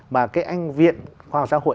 mà cái anh viện khoa học xã hội